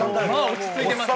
落ち着いてますね。